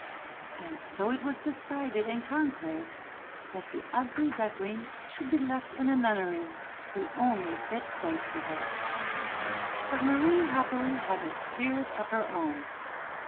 And so it was decided in conclave that the "ugly duckling" should be left in a nunnery the only fit place for her. But Marie happily had a spirit of her own.